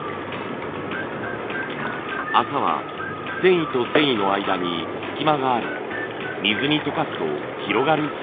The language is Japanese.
麻は繊維と繊維の間に隙間があり水に溶かすと広がる性質があります。